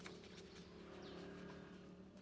menjadi kemampuan anda